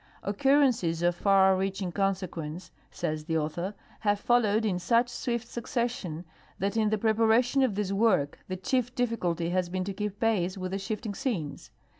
''" Occur rences of far reaching consequence," says the author, " have followed in «uch swift succession that in the preparation of this work the chief dilli culty has been to keej) i)ace with the shifting scenes.